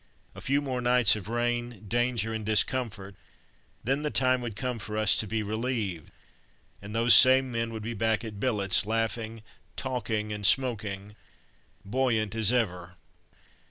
A few more nights of rain, danger and discomfort, then the time would come for us to be relieved, and those same men would be back at billets, laughing, talking and smoking, buoyant as ever.